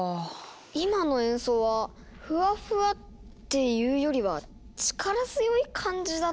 今の演奏はフワフワっていうよりは力強い感じだったような。